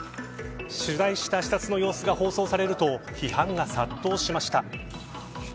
取材した視察の様子が放送されると批判が殺到しました。